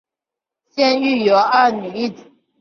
现育有二子一女。